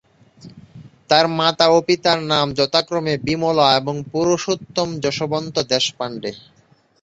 তাঁর মাতা ও পিতার নাম যথাক্রমে বিমলা এবং পুরুষোত্তম যশবন্ত দেশপাণ্ডে।